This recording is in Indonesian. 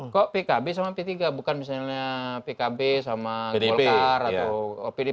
kok pkb sama p tiga bukan misalnya pkb sama golkar atau pdp